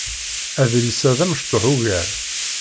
Adlis-a d amecṭuḥ ugar.